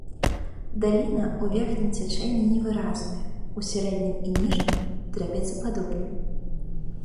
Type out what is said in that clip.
Даліна ў верхнім цячэнні невыразная, у сярэднім і ніжнім трапецападобная.